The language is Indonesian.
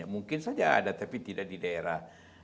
mungkin saja ada tapi tidak di daerah